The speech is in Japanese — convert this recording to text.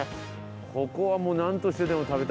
ここはもうなんとしてでも食べたいよ。